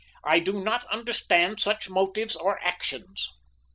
I do not understand such motives or actions."